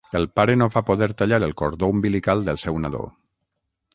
El pare no va poder tallar el cordó umbilical del seu nadó.